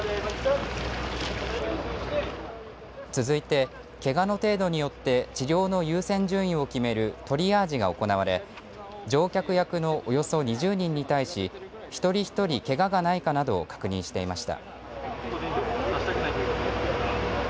続いて、けがの程度によって治療の優先順位を決めるトリアージが行われ乗客役のおよそ２０人に対し一人一人、けがはないかを確認していました。